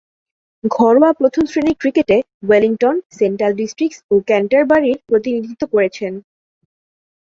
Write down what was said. ঘরোয়া প্রথম-শ্রেণীর ক্রিকেটে ওয়েলিংটন, সেন্ট্রাল ডিস্ট্রিক্টস ও ক্যান্টারবারির প্রতিনিধিত্ব করেছেন।